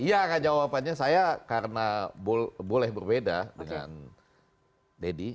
iya jawabannya saya karena boleh berbeda dengan deddy